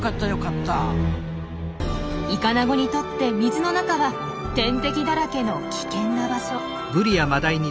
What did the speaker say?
イカナゴにとって水の中は天敵だらけの危険な場所。